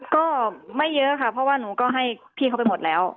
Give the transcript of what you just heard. ก็ไม่เยอะค่ะเพราะว่าหนูก็ให้พี่เขาไปหมดแล้ว